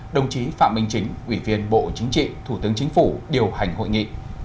đồng chí phạm minh chính ủy viên bộ chính trị thủ tướng chính phủ điều hành hội nghị